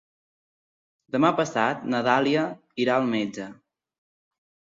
Demà passat na Dàlia irà al metge.